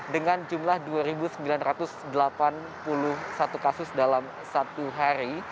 dengan jumlah dua sembilan ratus delapan puluh satu kasus dalam satu hari